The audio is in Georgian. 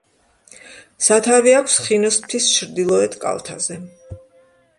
სათავე აქვს ხინოს მთის ჩრდილოეთ კალთაზე.